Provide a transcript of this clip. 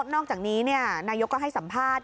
นอกจากนี้นายกก็ให้สัมภาษณ์